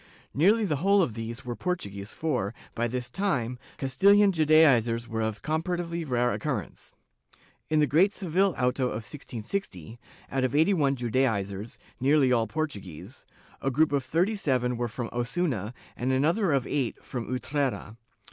^ Nearly the whole of these were Portuguese for, by this time, CastiUan Judaizers were of comparatively rare occurrence. In the great Seville auto of 1660, out of eighty one Judaizers, nearly all Portu guese, a group of thirty seven were from Osuna and another of eight from Utrera.